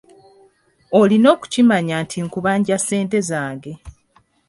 Olina okukimanya nti nkubanja ssente zange.